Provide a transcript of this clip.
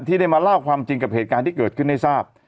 ได้มาเล่าความจริงกับเหตุการณ์ที่เกิดขึ้นให้ทราบ